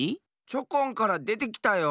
チョコンからでてきたよ。